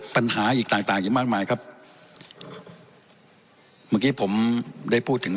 ปัญหาอีกต่างต่างอีกมากมายครับเมื่อกี้ผมได้พูดถึง